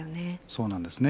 そうなんですね。